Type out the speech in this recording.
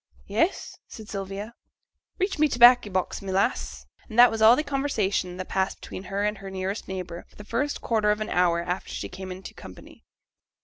'Yes,' said Sylvia. 'Reach me t' baccy box, my lass.' And that was all the conversation that passed between her and her nearest neighbour for the first quarter of an hour after she came into company.